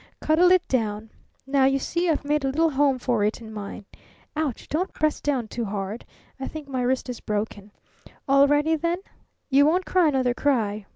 Cuddle it down! Now, you see, I've made a little home for it in mine. Ouch! Don't press down too hard! I think my wrist is broken. All ready, then? You won't cry another cry?